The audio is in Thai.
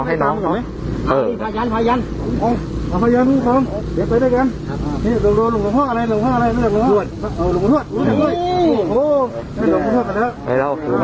ใส่หนังด้วย